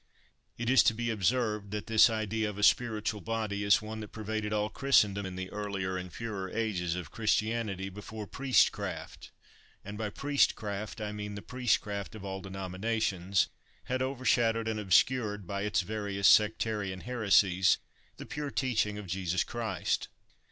It is to be observed, that this idea of a spiritual body is one that pervaded all Christendom in the earlier and purer ages of Christianity, before priestcraft—and by priestcraft I mean the priestcraft of all denominations—had overshadowed and obscured, by its various sectarian heresies, the pure teaching of Jesus Christ.